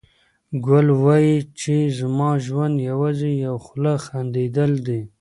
ګل وايي چې زما ژوند یوازې یوه خوله خندېدل دي.